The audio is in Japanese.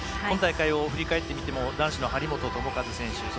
今大会を振り返ってみても男子の張本智和選手